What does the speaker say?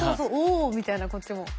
「お！」みたいなこっちも。